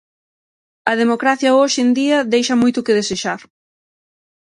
A democracia hoxe en día deixa moito que desexar.